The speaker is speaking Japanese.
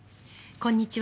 こんにちは。